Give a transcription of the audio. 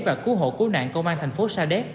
và cứu hộ cứu nạn công an thành phố sa đéc